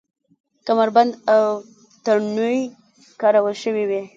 کمربند او تڼۍ کارول شوې وې.